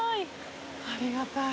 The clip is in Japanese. ありがたい。